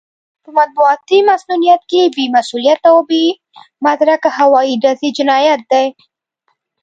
په مطبوعاتي مصؤنيت کې بې مسووليته او بې مدرکه هوايي ډزې جنايت دی.